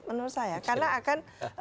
menurut saya karena akan